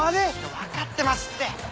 わかってますって。